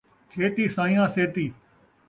کھیتی سائیاں سیتی